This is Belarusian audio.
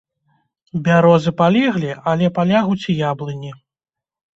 Бярозы палеглі, але палягуць і яблыні.